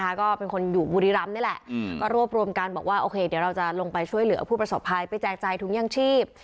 ก็เป็นคนอยู่บุรีรำนี่แหละก็รวบรวมกันบอกว่าโอเคเดี๋ยวเราจะลงไปช่วยเหลือผู้ประสบภัยไปแจกจ่ายถุงยังชีพ